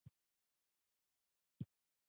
احمد؛ علي تر ځمکه واېست.